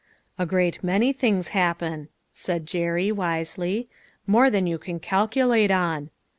"A great many things happen," said Jerry, wisely. " More than you can calculate on.